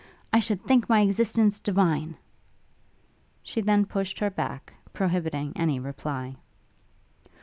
I should think my existence divine!' She then pushed her back, prohibiting any reply.